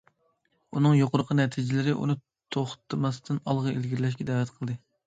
ئۇنىڭ يۇقىرىقى نەتىجىلىرى ئۇنى توختىماستىن ئالغا ئىلگىرىلەشكە دەۋەت قىلدى.